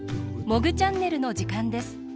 「モグチャンネル」のじかんです。